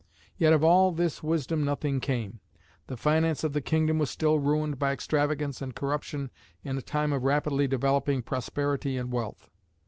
Yet of all this wisdom nothing came. The finance of the kingdom was still ruined by extravagance and corruption in a time of rapidly developing prosperity and wealth.